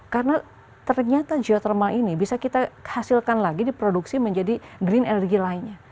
karena ternyata geothermal ini bisa kita hasilkan lagi di produksi menjadi green energy lainnya